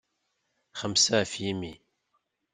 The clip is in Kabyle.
Xemsa ɣef yimi.